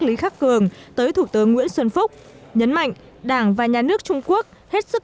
lý khắc cường tới thủ tướng nguyễn xuân phúc nhấn mạnh đảng và nhà nước trung quốc hết sức